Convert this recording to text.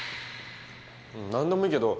なんでもいいけど。